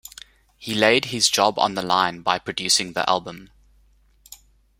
He laid his job on the line by producing the album.